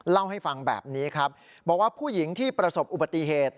เล่าให้ฟังแบบนี้ครับบอกว่าผู้หญิงที่ประสบอุบัติเหตุ